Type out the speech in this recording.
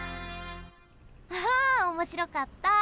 あおもしろかった！